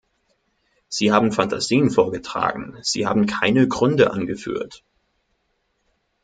Sie haben Fantasien vorgetragen, Sie haben keine Gründe angeführt.